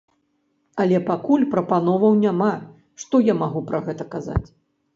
Але пакуль прапановаў няма, што я магу пра гэта казаць?